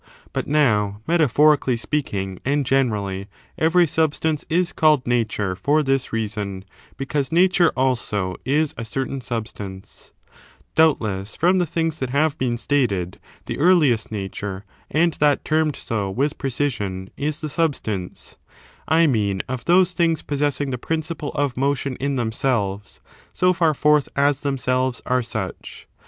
But now, metaphorically speaking and generally, every substance is called Nature for this reason, because Nature, also, is a certain substance. 3. Nature in the Doubtlcss, ffom the things that have been precise sense of stated, the earliest nature, and that termed so with precision, is the substance, — I mean of those things possessing the principle of motion in themselves, so &r forth as themselves are such.